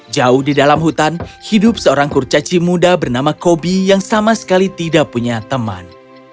jauh di dalam hutan hidup seorang kurcaci muda bernama kobi yang sama sekali tidak punya teman